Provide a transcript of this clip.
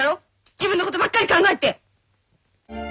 自分のことばっかり考えて。